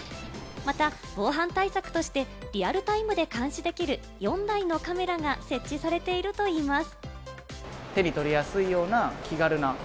また防犯対策として、リアルタイムで監視できる４台のカメラが設置されているといいます。